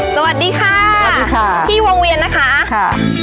สวัสดีค่ะพี่วงเวียนนะคะ